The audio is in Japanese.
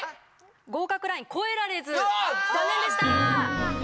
合格ライン超えられず残念でした！